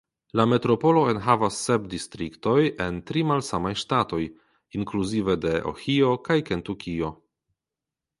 La metropolo enhavas sep distriktoj en tri malsamaj ŝtatoj (inkluzive de Ohio kaj Kentukio).